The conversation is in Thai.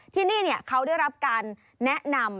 ที่นี่เขาได้รับการแนะนำ